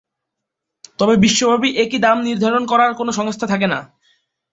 তবে বিশ্বব্যাপী একই দাম নির্ধারণ করার কোন সংস্থা থাকে না।